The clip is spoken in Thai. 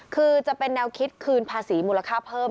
คือจะเป็นแนวคิดคืนภาษีมูลค่าเพิ่ม